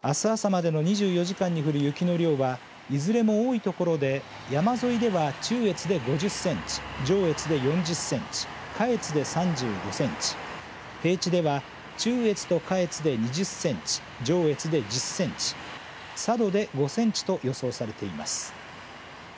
あす朝までの２４時間に降る雪の量はいずれも多い所で山沿いでは中越で５０センチ上越で４０センチ下越で３５センチ平地では中越と下越で２０センチ上越で１０センチ佐渡で５センチと予想されています。